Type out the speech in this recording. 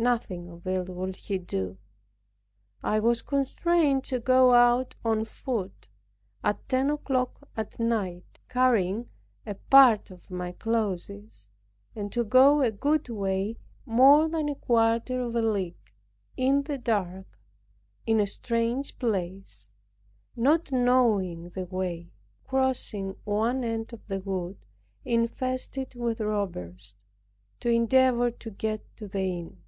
Nothing of it would he do. I was constrained to go out on foot, at ten o'clock at night, carrying a part of my clothes, and to go a good way more than a quarter of a league in the dark, in a strange place, not knowing the way, crossing one end of the wood infested with robbers, to endeavor to get to the inn.